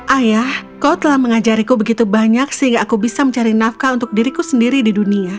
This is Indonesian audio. ayah kau telah mengajariku begitu banyak sehingga aku bisa mencari nafkah untuk diriku sendiri di dunia